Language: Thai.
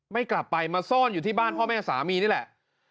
ไม่กลับไปมาซ่อนอยู่ที่บ้านพ่อแม่สามีนี่แหละ